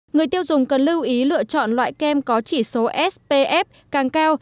người tiêu dùng cần lưu ý lựa chọn loại kem có chỉ số spf càng cao